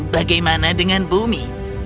bagaimana dengan bumi